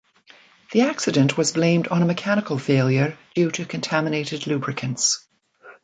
The accident was blamed on a mechanical failure due to contaminated lubricants.